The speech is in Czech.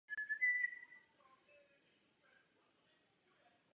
Nová proudová letadla dovolila Pan Am představit levnější jízdné s více cestujícími.